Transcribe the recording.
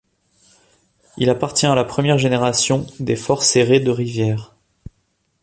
Il appartient à la première génération des forts Séré de Rivières.